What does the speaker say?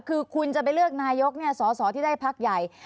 คือคุณจะไปเลือกนายกสอสอที่ได้พักใหญ่